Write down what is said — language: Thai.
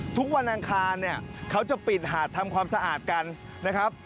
วันอังคารเนี่ยเขาจะปิดหาดทำความสะอาดกันนะครับ